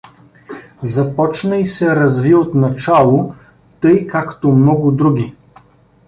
Започна и се разви отначало тъй, както много други.